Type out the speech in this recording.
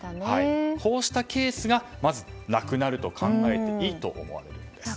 こうしたケースがまずなくなると考えていいと思われるんです。